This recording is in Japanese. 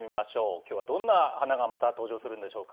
きょうはどんな花がまた登場するんでしょうか。